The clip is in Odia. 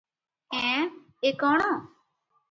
‘ଏଁ – ଏ କଅଣ?